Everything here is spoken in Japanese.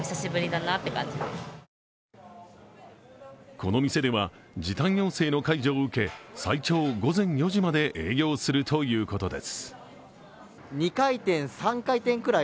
この店では、時短要請の解除を受け、最長午前４時まで営業するということです。